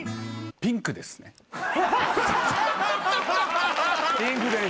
ピンクです！